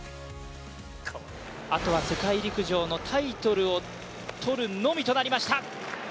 あとは世界陸上のタイトルをとるのみとなりました。